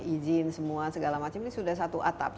izin semua segala macam ini sudah satu atap